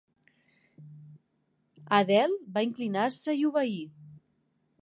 Adele va inclinar-se i obeir.